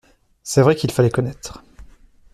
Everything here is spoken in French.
C’est vrai qu’il fallait connaître.